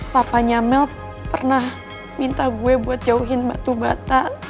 papanya mel pernah minta gue buat jauhin batu bata